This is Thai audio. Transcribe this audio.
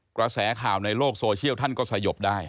กระแสข่าวในโลกโซเชียลท่านก็สยบได้